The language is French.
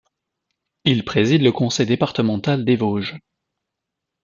Il préside le conseil départemental des Vosges.